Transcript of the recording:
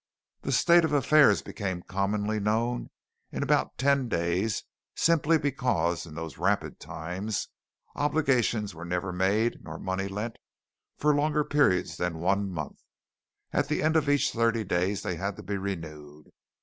The state of affairs became commonly known in about ten days simply because, in those rapid times, obligations were never made nor money lent for longer periods than one month. At the end of each thirty days they had to be renewed.